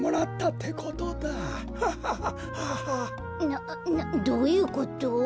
などういうこと？